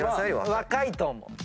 若いと思う。